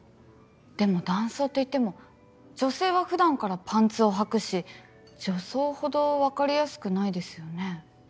でも男装といっても女性は普段からパンツをはくし女装ほど分かりやすくないですよね。